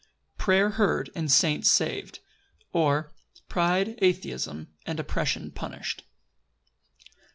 Prayer heard, and saints saved; or, Pride, atheism, and oppression punished.